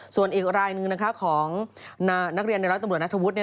ส่วนอีกรายหนึ่งของนักเรียนในร้อยตำรวจนัทธวุฒิ